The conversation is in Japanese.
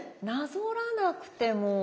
なぞらなくても。